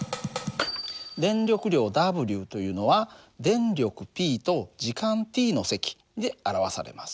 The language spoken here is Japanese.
電力量Ｗというのは電力Ｐと時間ｔの積で表されます。